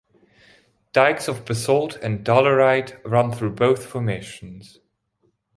Dykes of basalt and dolerite run through both formations.